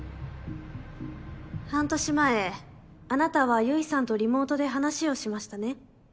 半年前あなたは結衣さんとリモートで話をしましたね？